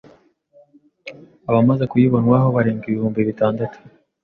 abamaze kuyibonwaho barenga ibihumbi bitandatu